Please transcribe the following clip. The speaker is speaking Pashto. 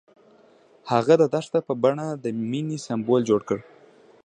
هغه د دښته په بڼه د مینې سمبول جوړ کړ.